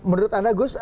menurut anda gus